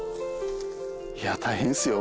いやあ大変ですよ